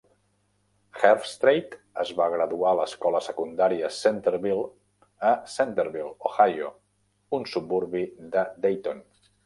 Herbstreit es va graduar a l'escola secundària Centerville a Centerville, Ohio, un suburbi de Dayton.